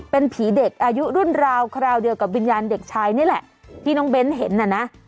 เป็นผีเด็กอายุรุ่นราวคราวเดียวกับวิญญาณเด็กชายนี่แหละที่น้องเบ้นเห็นน่ะนะ